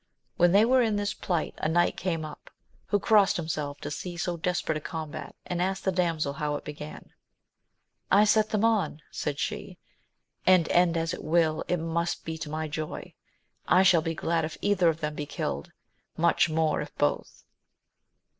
When they were in this plight a knight came up, who crossed himself to see so desperate a combat, and asked the damsel how it began. I set them on, said she, and end as it will, it must be to my joy : I shall be glad if either of them be killed, much more if both.